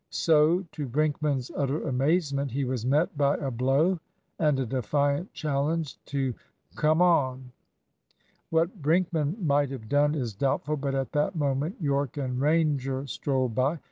So, to Brinkman's utter amazement, he was met by a blow and a defiant challenge to "come on." What Brinkman might have done is doubtful, but at that moment Yorke and Ranger strolled by.